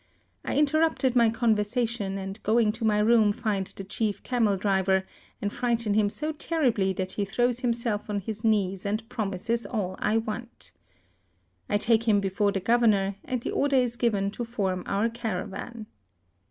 I interrupt my conversation, and going to my room find the chief camel driver, and frighten him so terribly that he throws himself on his knees and promises all I want. I take him before the governor, and the order is given to form our caravan.